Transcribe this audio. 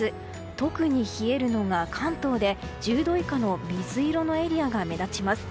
特に冷えるのが関東で１０度以下の水色のエリアが目立ちます。